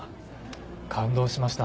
感動しました。